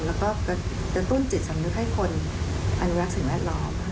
แล้วก็กระตุ้นจิตสำนึกให้คนอนุรักษ์สิ่งแวดล้อม